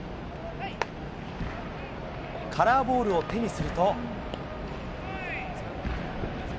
カラーボールを手にすると。